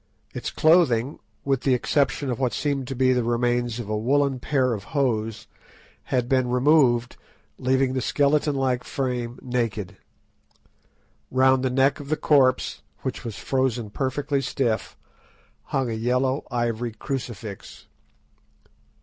Its clothing, with the exception of what seemed to be the remains of a woollen pair of hose, had been removed, leaving the skeleton like frame naked. Round the neck of the corpse, which was frozen perfectly stiff, hung a yellow ivory crucifix.